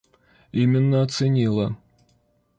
Именно оценила.